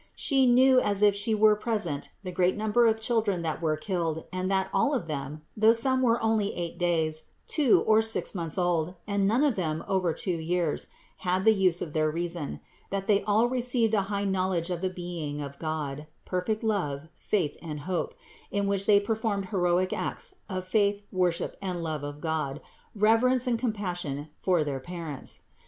She knew as if She were present the great number of children that were killed and that all of them, though some were only eight days, two or six months old, and none of them over two years, had the use of their reason; that they all received a high knowledge of the being of God, perfect love, faith and hope, in which they performed heroic acts of faith, worship, and love of God, reverence and compas sion for their parents.